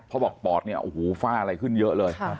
เพราะบอกปอดเนี่ยโอ้โหฝ้าอะไรขึ้นเยอะเลย